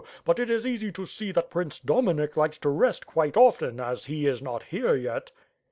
But it is easy to see that Prince Do minik likes to rest quite often as he is not here yet."